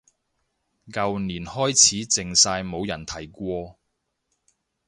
舊年開始靜晒冇人提過